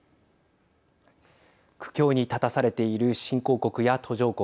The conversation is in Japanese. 苦境に立たされている新興国や途上国。